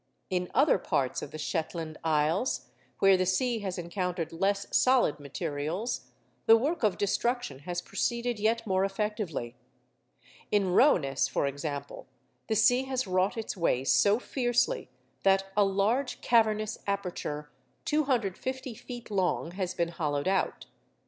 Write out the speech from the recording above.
In other parts of the Shetland Isles, where the sea has encountered less solid materials, the work of destruction has proceeded yet more effectively. In Roeness, for example, the sea has wrought its way so fiercely that a large cavernous aperture 250 feet long has been hollowed out.